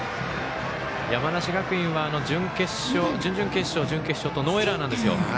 山梨学院は、準々決勝、準決勝とノーエラーなんですよ。